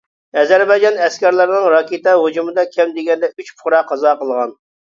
ئەزەربەيجان ئەسكەرلىرىنىڭ راكېتا ھۇجۇمىدا كەم دېگەندە ئۈچ پۇقرا قازا قىلغان.